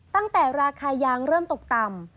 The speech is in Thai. ตั้งแต่ราคายางเริ่มตกต่ำ